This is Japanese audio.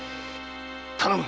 頼む！